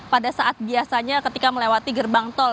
pada saat biasanya ketika melewati gerbang tol